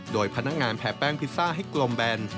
โดยพนักงานแพ้แป้งพิซซ่าให้กลมแบน